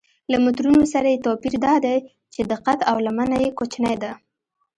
له مترونو سره یې توپیر دا دی چې دقت او لمنه یې کوچنۍ ده.